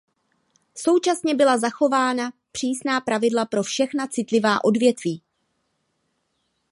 Současně byla zachována přísná pravidla pro všechna citlivá odvětví.